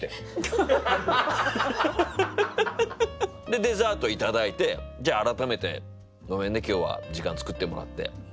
デザート頂いてじゃあ改めて「ごめんね今日は時間作ってもらって。